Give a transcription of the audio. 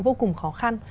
vô cùng khó khăn